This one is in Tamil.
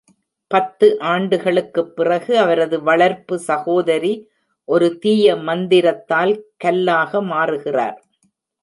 பத்து ஆண்டுகளுக்குப் பிறகு, அவரது வளர்ப்பு சகோதரி ஒரு தீய மந்திரத்தால் கல்லாக மாறுகிறார்.